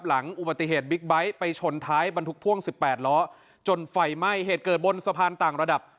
หลังอุบัติเหตุบิ๊กไบท์ไปชนท้ายบรรทุกพ่วง๑๘ล้อจนไฟไหม้เหตุเกิดบนสะพานต่างระดับ